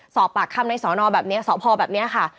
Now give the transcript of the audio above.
สอบปากคำในสอนอแบบนี้สพแบบนี้ค่ะ